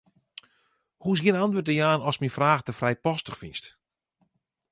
Hoechst gjin antwurd te jaan ast myn fraach te frijpostich fynst.